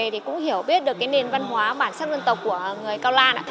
thì cũng hiểu biết được nền văn hóa bản sắc dân tộc của người cao lan